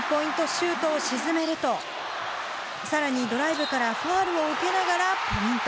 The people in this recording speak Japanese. シュートをしずめると、さらにドライブからファウルを受けながらポイント。